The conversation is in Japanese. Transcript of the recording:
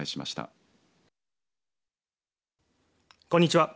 こんにちは。